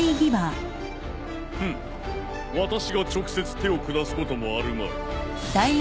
ふん私が直接手を下すこともあるまい。